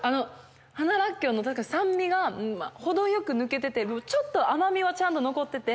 花らっきょうの酸味が程よく抜けててでもちょっと甘みはちゃんと残ってて。